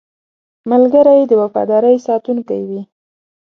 ملګری د وفادارۍ ساتونکی وي